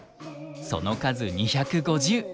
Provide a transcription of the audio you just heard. その数２５０。